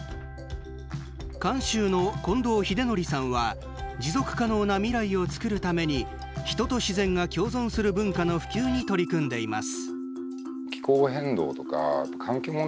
監修の近藤ヒデノリさんは持続可能な未来を作るために人と自然が共存する文化の普及に取り組んでいます。